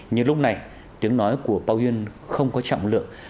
nhưng lúc này tiếng nói của pao duân không có trọng lượng